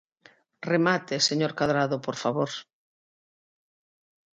Remate, señor Cadrado por favor.